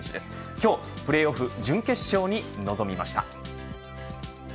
今日プレーオフ準々準決勝に臨みました。